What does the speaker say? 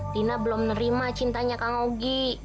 tina belum nerima cintanya kang ogi